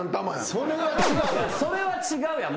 それは違うやん。